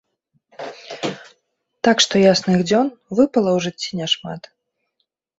Так што ясных дзён выпала ў жыцці няшмат.